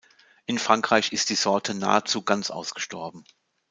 In Frankreich ist die Sorte nahezu ganz ausgestorben.